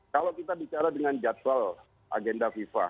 kalau kita bicara dengan jadwal agenda fifa